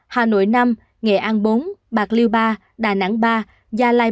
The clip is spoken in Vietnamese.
quảng ngãi một bốn mươi tám